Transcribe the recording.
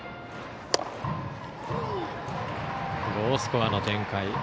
ロースコアの展開。